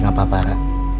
gak papa rara